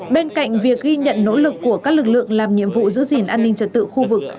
bên cạnh việc ghi nhận nỗ lực của các lực lượng làm nhiệm vụ giữ gìn an ninh trật tự khu vực